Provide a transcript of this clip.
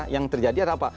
yang terjadi adalah apa